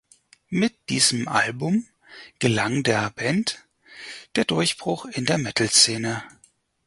Mit diesem Album gelang der Band der Durchbruch in der Metal-Szene.